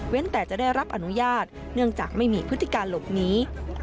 แต่จะได้รับอนุญาตเนื่องจากไม่มีพฤติการหลบหนี